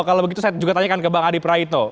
kalau begitu saya juga tanyakan ke bang adi praitno